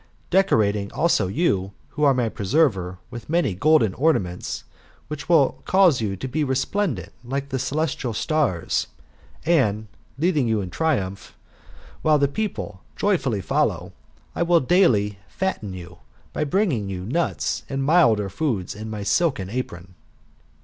Decorating also you, who are my preserver, with many golden ornaments, which will cause you to be resplendent like the celestial stats ; and, lead ing you in triumph, while the people joyfully follow, I will daily fatten you, by bringing to you nuts, and milder food, in my silken apron.